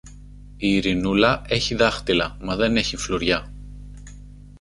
Η Ειρηνούλα έχει δάχτυλα, μα δεν έχει φλουριά!